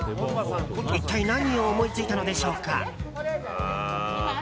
一体何を思いついたのでしょうか。